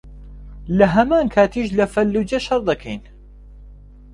لەهەمان کاتیش لە فەللوجە شەڕ دەکەین